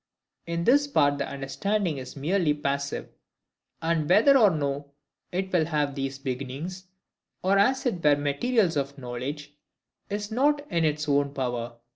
In this part the understanding is merely passive; and whether or no it will have these beginnings, and as it were materials of knowledge, is not in its own power.